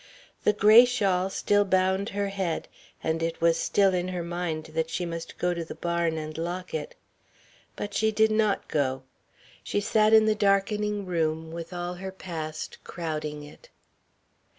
The gray shawl still bound her head, and it was still in her mind that she must go to the barn and lock it. But she did not go she sat in the darkening room with all her past crowding it....